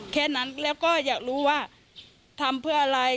แค่นั้นแล้วก็อยากรู้ว่าทำเพื่ออะไร